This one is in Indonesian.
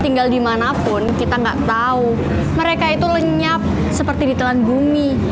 tinggal dimanapun kita gak tau mereka itu lenyap seperti ditelan bumi